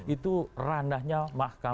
itu ranahnya mahkamah